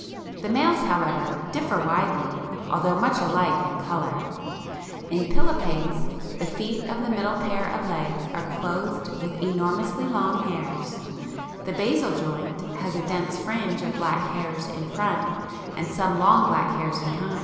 The males, however, differ widely, although much alike in colour; in pilipes the feet of the middle pair of legs are clothed with enormously long hairs, the basal joint has a dense fringe of black hairs in front and some long black hairs behind (see pl.